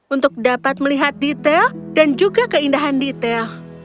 untuk dapat melihat detail dan juga keindahan detail